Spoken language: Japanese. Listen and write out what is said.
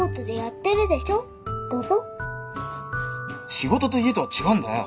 仕事と家とは違うんだよ。